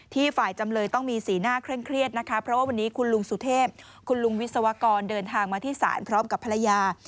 ฝ่ายจำเลยต้องมีสีหน้าเคร่งเครียดนะคะเพราะว่าวันนี้คุณลุงสุเทพคุณลุงวิศวกรเดินทางมาที่ศาลพร้อมกับภรรยา